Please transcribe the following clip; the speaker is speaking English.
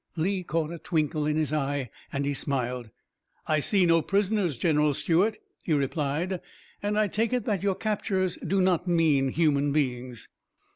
Lee caught a twinkle in his eye, and he smiled. "I see no prisoners, General Stuart," he replied, "and I take it that your captures do not mean human beings."